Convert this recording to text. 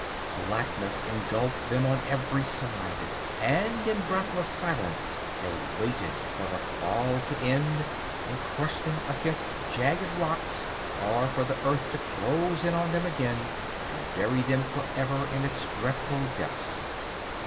Blackness engulfed them on every side, and in breathless silence they waited for the fall to end and crush them against jagged rocks or for the earth to close in on them again and bury them forever in its dreadful depths.